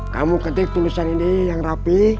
kamu ketik tulisan ini yang rapi